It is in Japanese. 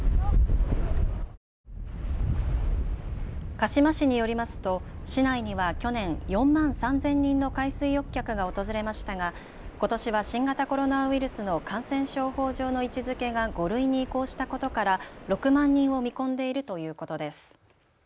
鹿嶋市によりますと市内には去年、４万３０００人の海水浴客が訪れましたが、ことしは新型コロナウイルスの感染症法上の位置づけが５類に移行したことから６万人を見込んでいるということです。